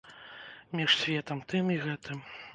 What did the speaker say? Між светам тым і гэтым.